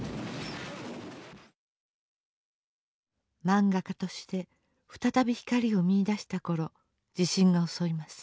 漫画家として再び光を見いだした頃地震が襲います。